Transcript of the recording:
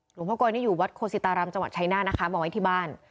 หลวงพ่อกอยนี่อยู่วัดโคศิตารามจังหวัดชายนาฏนะคะมาไว้ที่บ้าน